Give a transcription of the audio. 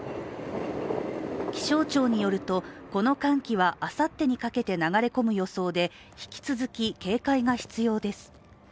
気象庁によると、この寒気はあさってにかけて流れ込む予想で、引き続き警戒が必要です。